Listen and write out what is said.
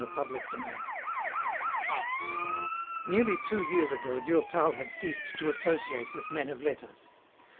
CHAPTER II Nearly two years ago Durtal had ceased to associate with men of letters.